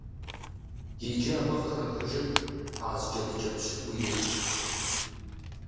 Иджы абы къыхэхыжыт къаз джэдыкӀэ пщыкӀуийр.